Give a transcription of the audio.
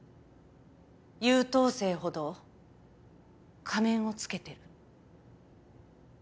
優等生ほど仮面をつけてる。